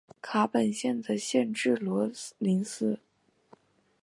卡本县的县治罗林斯。